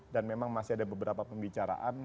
dan memang masih ada beberapa pembicaraan